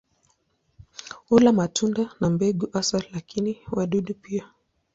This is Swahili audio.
Hula matunda na mbegu hasa, lakini wadudu pia.